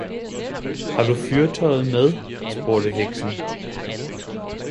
Har du fyrtøjet med? spurgte heksen!